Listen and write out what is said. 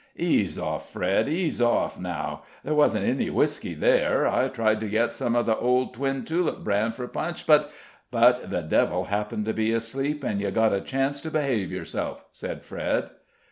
"Ease off, Fred, ease off now; there wasn't any whisky there; I tried to get some of the old Twin Tulip brand for punch, but " "But the devil happened to be asleep, and you got a chance to behave yourself," said Fred.